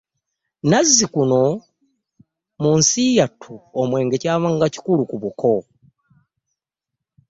Nazikuno mu nsi yattu omwenge kyabanga kikulu ku buko.